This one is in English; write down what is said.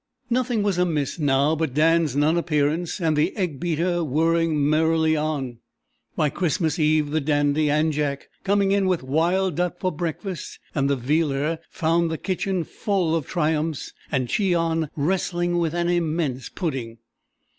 Nothing was amiss now but Dan's non appearance; and the egg beater whirring merrily on, by Christmas Eve, the Dandy and Jack, coming in with wild duck for breakfast and the Vealer, found the kitchen full of triumphs and Cheon wrestling with an immense pudding.